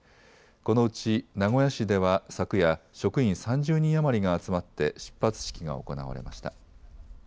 このうち名古屋市では昨夜、職員３０人余りが集まって出発式が行われました。